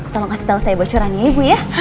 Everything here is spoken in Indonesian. tolong kasih tau saya bocoran ya ibu ya